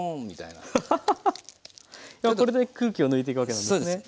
これで空気を抜いていくわけなんですね。